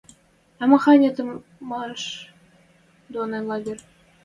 А маханьы тышман доны лагерь